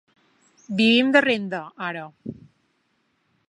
Vivim de renda, ara.